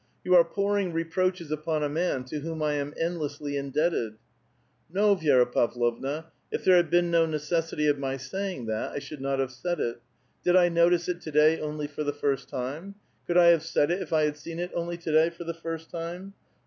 '' You are pouring re proaches upon a man to whom I am endlessly indebted." " No, Vi^ra Pavlovna ; if there had been no necessitv of my saying that, I should not have snid it. Did I notice it to day only for the first time? Could I have said it if I had seen it only to day for the first time